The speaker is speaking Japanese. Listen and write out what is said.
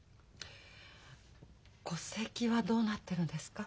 戸籍はどうなってるんですか？